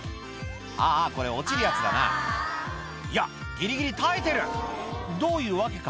ああこれ落ちるやつだないやギリギリ耐えてるどういう訳か